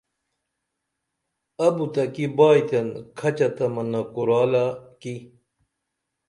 ابُتہ کی بائیتن کھچہ تہ منع کُرالہ کی